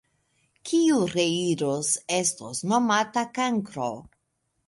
Kiu reiros, estos nomata kankro!